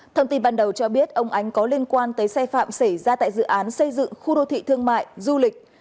thông tin ban đầu cho biết ông ánh có liên quan tới sai phạm xảy ra tại dự án xây dựng khu đô thị thương mại du lịch